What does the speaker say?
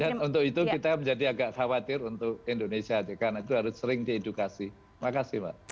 dan untuk itu kita menjadi agak khawatir untuk indonesia aja karena itu harus sering di edukasi makasih mbak